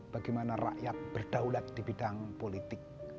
bagaimana rakyat berdaulat di bidang politik